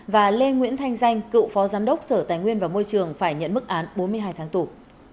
và lê nguyễn thanh danh cựu phó giám đốc sở tài nguyên và môi trường phải nhận mức án bốn mươi hai tháng tù